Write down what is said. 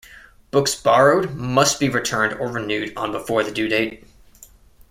Books borrowed must be returned or renewed on before the due date.